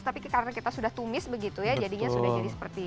tapi karena kita sudah tumis begitu ya jadinya sudah jadi seperti ini